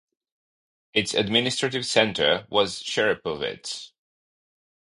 Its administrative centre was Cherepovets.